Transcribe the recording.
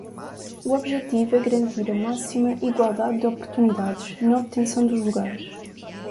O objetivo é garantir a máxima igualdade de oportunidades na obtenção dos lugares.